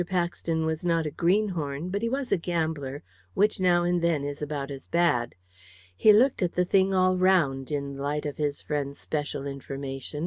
Paxton was not a greenhorn, but he was a gambler, which now and then is about as bad. He looked at the thing all round in the light of his friend's special information!